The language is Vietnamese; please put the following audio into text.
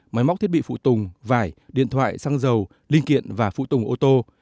máy móc thiết bị phụ tùng vải điện thoại xăng dầu linh kiện và phụ tùng ô tô